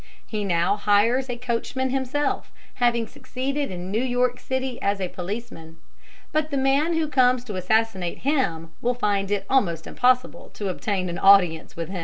He now hires a coachman himself, having succeeded in New York city as a policeman; but the man who comes to assassinate him will find it almost impossible to obtain an audience with him.